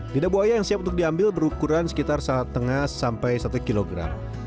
lidah buaya yang siap untuk diambil berukuran sekitar setengah sampai satu kilogram